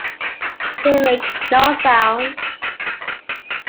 They make no sound.